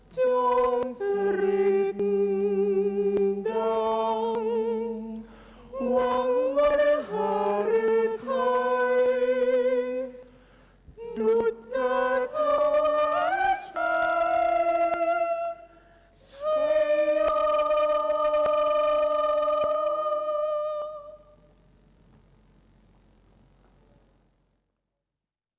จงสฤทธิ์ดังหวังวัดหรือไทยดูจะเข้าหาใจช่วยยอม